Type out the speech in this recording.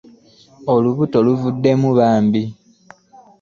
Olubuto luvuddemu bambi.